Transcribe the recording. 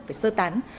phải sơ tán